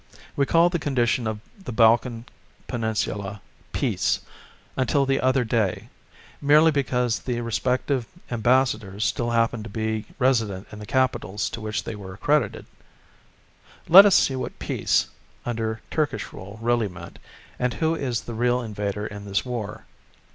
We called the condition of the Balkan peninsula "Peace" until the other day, merely because the respective Ambassadors still happened to be resident in the capitals to which they were accredited. Let us see what "Peace" under Turkish rule really meant, and who is the real invader in this war.